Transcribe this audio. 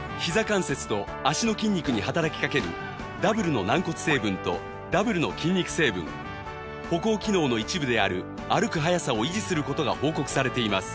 関節と脚の筋肉に働きかけるダブルの軟骨成分とダブルの筋肉成分歩行機能の一部である歩く早さを維持する事が報告されています